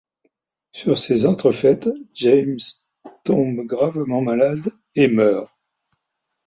Sur ces entrefaites, James tombe gravement malade et meurt.